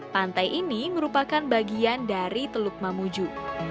pantai ini merupakan bagian dari teluk mamuju